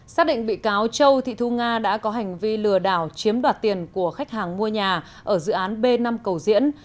xác định bị cáo châu thị thu nga đã có hành vi lừa đảo chiếm đoạt tiền của khách hàng mua nhà ở dự án b năm cầu diễn